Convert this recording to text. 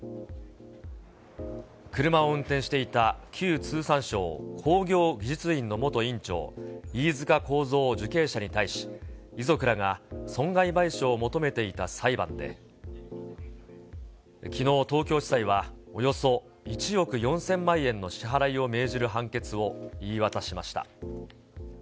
車を運転していた旧通産省工業技術院の元院長、飯塚幸三受刑者に対し、遺族らが損害賠償を求めていた裁判で、きのう、東京地裁は、およそ１億４０００万円の支払いを命じる判決を言い渡しました。